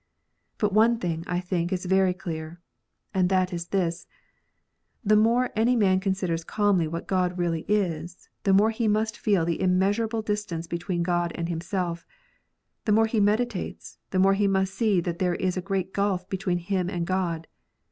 But one thing, I think, is very clear : and that is this. Tin; more any man considers calmly what God really is, the more he must feel the immeasurable distance between God and himself ; the more he meditates, the more he must see that there is a great gulf between him and God.